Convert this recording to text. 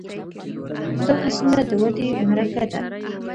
دا هڅونه د ودې محرکه ده.